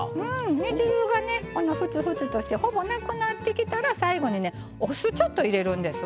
煮汁がねこんなふつふつとしてほぼなくなってきたら最後にねお酢ちょっと入れるんですわ。